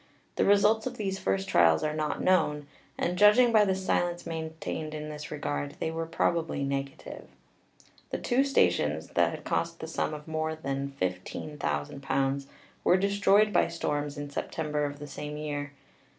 The results of these first trials are not known, and judging by the silence maintained in this regard they were probably negative. The two stations, that had cost the sum of more than £15,000, were destroyed by storms in September of the same year.